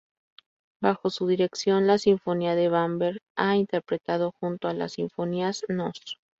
Bajo su dirección, la Sinfónica de Bamberg ha interpretado junto a las Sinfonías Nos.